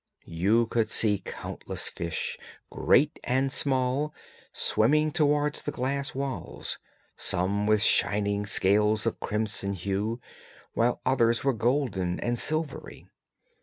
You could see countless fish, great and small, swimming towards the glass walls, some with shining scales of crimson hue, while others were golden and silvery.